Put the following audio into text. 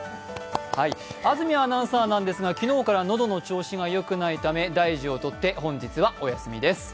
安住アナウンサーなんですが昨日から喉の調子が良くないため大事をとって本日はお休みです。